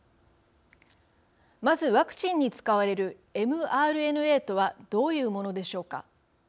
まずワクチンに使われるｍＲＮＡとはどういうものでしょうか。